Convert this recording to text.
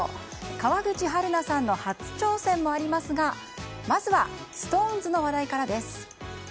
川口春奈さんの初挑戦もありますがまずはＳｉｘＴＯＮＥＳの話題からです。